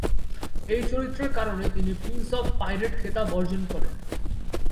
এই চরিত্রের কারণে তিনি প্রিন্স অফ পাইরেট খেতাব অর্জন করেন।